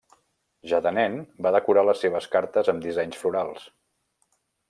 Ja de nen, va decorar les seves cartes amb dissenys florals.